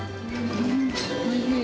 おいしい。